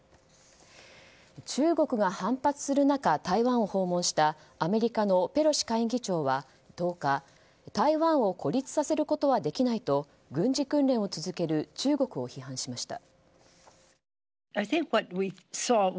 中国が反発する中台湾を訪問したアメリカのペロシ下院議長は１０日台湾を孤立させることはできないと軍事訓練を続ける中国を批判しました。